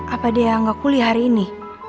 apa dia yang gak kuliah hari ini